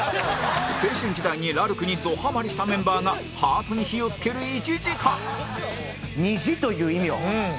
青春時代にラルクにどハマりしたメンバーがハートに火をつける１時間「虹」という意味を。